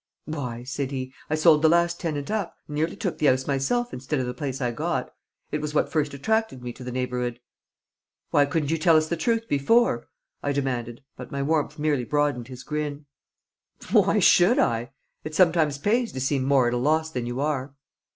"Why," said he, "I sold the last tenant up, and nearly took the 'ouse myself instead o' the place I got. It was what first attracted me to the neighhour'ood." "Why couldn't you tell us the truth before?" I demanded, but my warmth merely broadened his grin. "Why should I? It sometimes pays to seem more at a loss than you are."